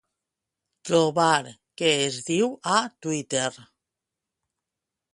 Trobar què es diu a Twitter.